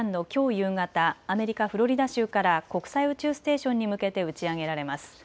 夕方、アメリカ・フロリダ州から国際宇宙ステーションに向けて打ち上げられます。